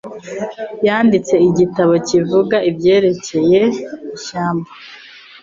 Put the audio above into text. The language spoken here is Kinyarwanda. Yanditse igitabo kivuga ibyerekeye ishyamba. (weihaiping)